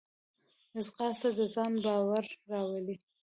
ځغاسته د ځان باور راولي